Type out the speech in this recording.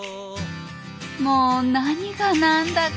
もう何が何だか